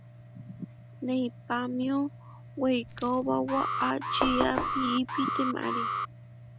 Neipámio weikaóba waʼá čiá piipi temári.